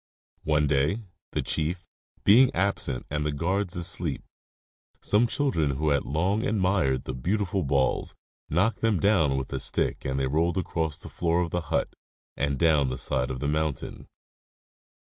One day, the chief being absent and the guards _ asleep, some children who had long admired the beautiful balls knocked them down with a. stick and they rolled across the floor of the hut and down the side of the mountain.